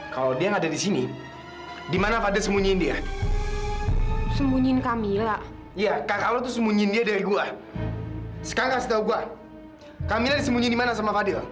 kalo dia gak ada disini dimana sama fadil